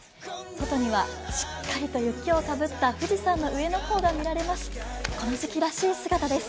外にはしっかりと雪をかぶった富士山の上の方が見られます。